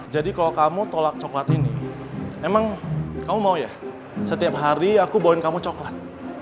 jadi kalau kamu tolak coklat ini emang kamu mau ya setiap hari aku bawain kamu coklat